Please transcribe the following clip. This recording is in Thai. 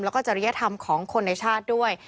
แล้วก็จริยธรรมของคนในชาติด้วย